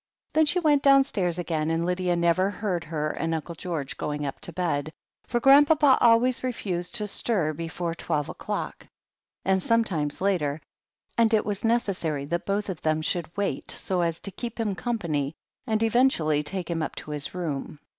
Then she went downstairs again, and Lydia never heard her and Uncle George going up to bed, for Grandpapa always refused to stir before twelve o'clock, and sometimes later, and it was necessary that both of ihem should wait so as to keep him company and eventually take him up to his room.